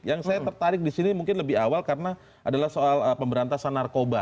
yang saya tertarik di sini mungkin lebih awal karena adalah soal pemberantasan narkoba